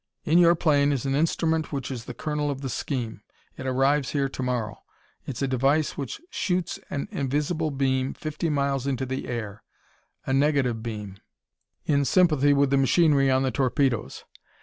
"In your plane is an instrument which is the kernel of the scheme. It arrives here to morrow. It's a device which shoots an invisible beam fifty miles into the air, a negative beam, in sympathy with the machinery on the torpedoes.